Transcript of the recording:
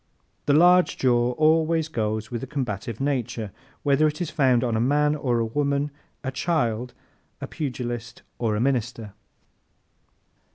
The large jaw always goes with a combative nature, whether it is found on a man or a woman, a child, a pugilist or a minister.